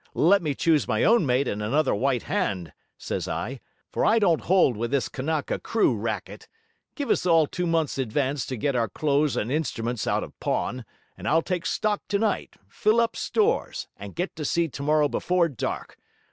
"Let me choose my own mate and another white hand," says I, "for I don't hold with this Kanaka crew racket; give us all two months' advance to get our clothes and instruments out of pawn, and I'll take stock tonight, fill up stores, and get to sea tomorrow before dark!"